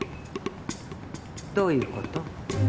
どういうこと？